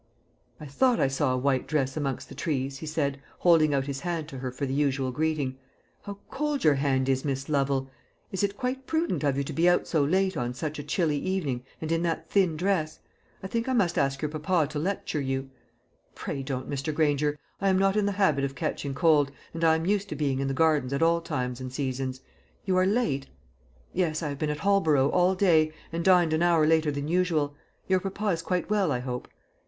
"I thought I saw a white dress amongst the trees," he said, holding out his hand to her for the usual greeting. "How cold your hand is, Miss Lovel! Is it quite prudent of you to be out so late on such a chilly evening, and in that thin dress? I think I must ask your papa to lecture you." "Pray don't, Mr. Granger; I am not in the habit of catching cold, and I am used to being in the gardens at all times and seasons. You are late." "Yes; I have been at Holborough all day, and dined an hour later than usual. Your papa is quite well, I hope?"